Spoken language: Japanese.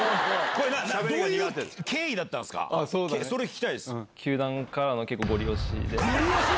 それ聞きたいです。